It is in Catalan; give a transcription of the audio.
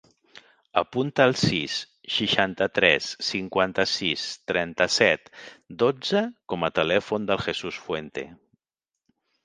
Apunta el sis, seixanta-tres, cinquanta-sis, trenta-set, dotze com a telèfon del Jesús Fuente.